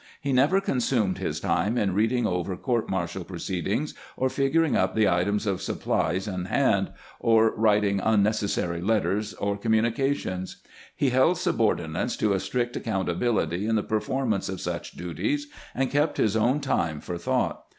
He never consumed his time in reading over court martial proceedings, or figuring up the items of supplies on hand, or writing unnecessary letters or communications. He held subordinates to a strict accountability in the performance of such duties, and kept his own time for thought.